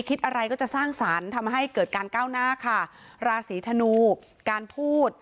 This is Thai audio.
คิดอะไรก็จะสร้างสรรค์ทำให้เกิดการก้าวหน้าค่ะราศีธนูการพูด